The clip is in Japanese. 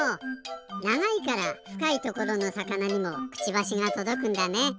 ながいからふかいところのさかなにもクチバシがとどくんだね。